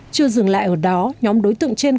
chưa dừng lại ở đó nhóm đối tượng trên